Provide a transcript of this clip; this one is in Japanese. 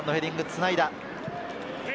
つないだ。